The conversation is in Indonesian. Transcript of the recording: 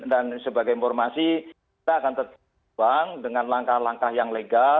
dan sebagai informasi kita akan tetap berjuang dengan langkah langkah yang legal